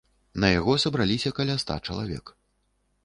На яго сабраліся каля ста чалавек.